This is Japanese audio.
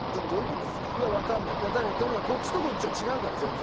とにかくこっちとこっちは違うから全然。